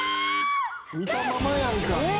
見たままやんか！